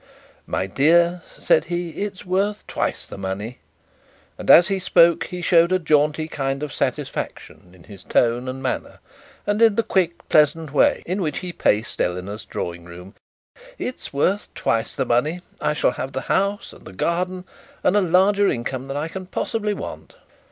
'My dear,' said he, 'it's worth twice the money;' and as he spoke he showed a jaunty kind of satisfaction in his tone and manner, and in the quick, pleasant way in which he paced Eleanor's drawing room. 'It's worth twice the money. I shall have the house and the garden, and a larger income than I can possibly want.'